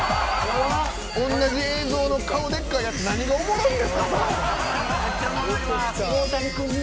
同じ映像の顔でっかいやつ何がおもろいねん。